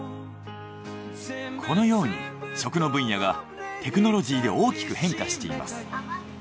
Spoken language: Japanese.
このように食の分野がテクノロジーで大きく変化しています。